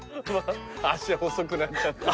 足細くなっちゃって。